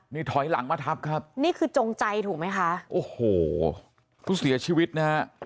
นี่ถอยหลังมาทับครับนี่คือจงใจถูกไหมคะโอ้โหผู้เสียชีวิตนะฮะ